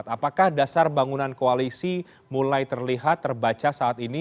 apakah dasar bangunan koalisi mulai terlihat terbaca saat ini